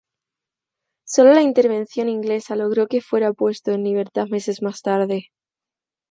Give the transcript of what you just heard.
Sólo la intervención inglesa logró que fuera puesto en libertad meses más tarde.